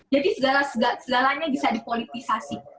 jadi segalanya bisa dipolitisasi